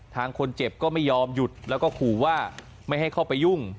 ทางคนเจ็บก็ไม่ยอมหยุดแล้วก็ขู่ว่าไม่ให้เข้าไปยุ่ง